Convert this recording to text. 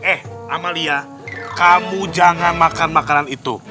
eh amalia kamu jangan makan makanan itu